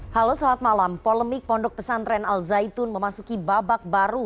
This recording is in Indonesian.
halo selamat malam polemik pondok pesantren al zaitun memasuki babak baru